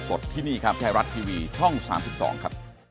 สดที่นี่ครับไทยรัฐทีวีช่อง๓๒ครับ